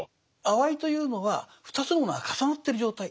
「あわい」というのは２つのものが重なってる状態。